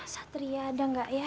satria ada gak ya